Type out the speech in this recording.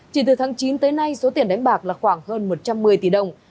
chỉ từ tháng chín tới nay số tiền đánh bạc là khoảng hơn một trăm một mươi tỷ đồng